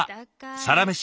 「サラメシ」